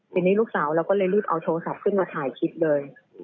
ทีนี้ลูกสาวเราก็เลยรีบเอาโทรศัพท์ขึ้นมาถ่ายคลิปเลย